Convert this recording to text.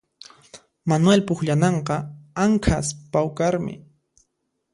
Manuel pukllananqa anqhas pawqarmi